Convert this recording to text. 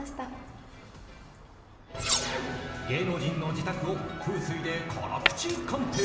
芸能人の自宅を風水で辛口鑑定。